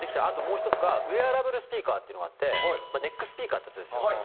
あともう１つがウェアラブルスピーカーっていうのがあってまあネックスピーカーってやつですよ。